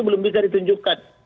belum bisa ditunjukkan